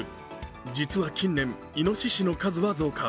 実は近年、いのししの数は増加。